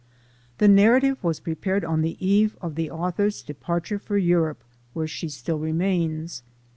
The narrative was prepared on the eve of the author's departure for Europe, where she still remains.